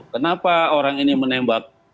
kenapa orang ini menembak